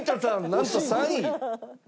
なんと３位！